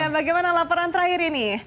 bagaimana laporan terakhir ini